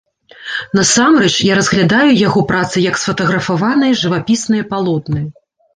Насамрэч, я разглядаю яго працы як сфатаграфаваныя жывапісныя палотны.